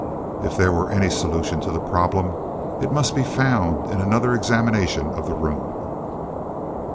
If there were any solution to the problem, it must be found in another examination of the room.